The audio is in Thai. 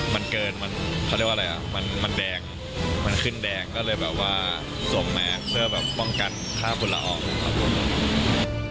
มันเกินมันเขาเรียกว่าอะไรอ่ะมันแดงมันขึ้นแดงก็เลยแบบว่าส่งมาเพื่อแบบป้องกันค่าฝุ่นละอองครับผม